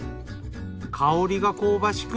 香りが香ばしく